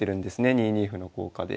２二歩の効果で。